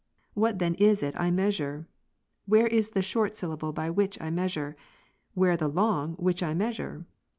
What then is it I measure ? where is the short syllable by which I measure ? where the long which I measure